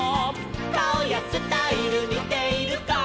「かおやスタイルにているか」